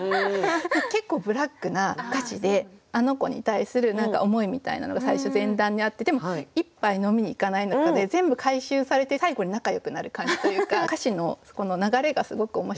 結構ブラックな歌詞で「あの子」に対する何か思いみたいなのが最初前段にあってでも「一杯飲みに行かないか」で全部回収されて最後に仲よくなる感じというか歌詞の流れがすごく面白いっていうのと。